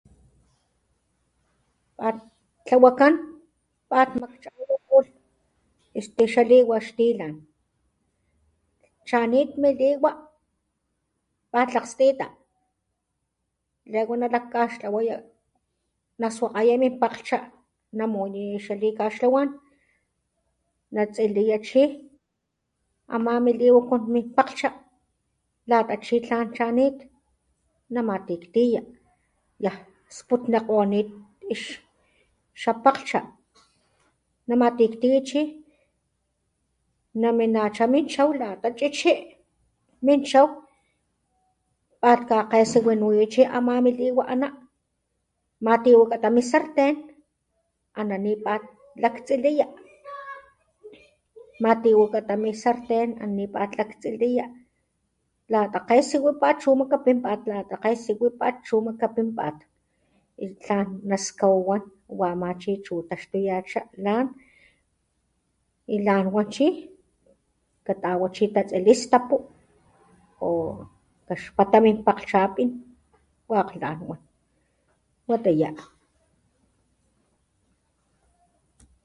Tlawakan pat makchaya xaliwa xtilan chanit miliwa pat lakstita lego nalakgkaxtlawaya naswakgaya min pakhcha namuniya xalikaxtlawan natsiliya chi ama miliwa con min pakglhcha lata chi tlan chanit namatiktiya yan sputnikgonit xapakglhcha namatiktiya chi naminacha min chow lata chichi min chow pat kgakgesiwiya namuniya ama chi liwa ana matiwakgata mi sarten ana ni pat laktsiliya matiwakata min sarten ana ni pat laktsiliya lata kgesiwipat chu makapinpat y tlan naskawawan wa ama chi chu taxtuyacha lan y lan wan chi katawa chi tatsilistapu o kaspata min pakglhchapin wakg lan wan watiya.